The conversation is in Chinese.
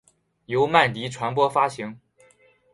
由曼迪传播发行。